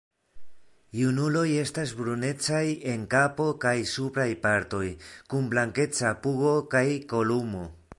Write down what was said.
Junuloj estas brunecaj en kapo kaj supraj partoj, kun blankeca pugo kaj kolumo.